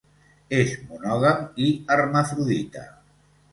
És monògam i hermafrodita.